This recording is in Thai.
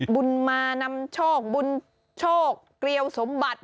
บุญมานำโชคบุญโชคเกลียวสมบัติ